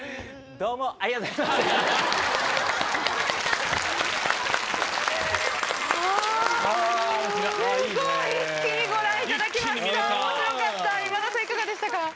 どうもありがとうございましいいね。